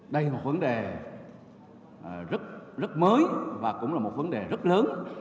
đây là một vấn đề rất mới và cũng là một vấn đề rất lớn